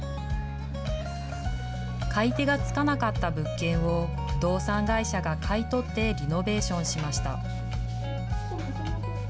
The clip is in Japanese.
買い手がつかなかった物件を、不動産会社が買い取ってリノベーションしました。